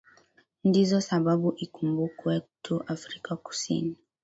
ndizo sababu ikumbukwe tu afrika kusini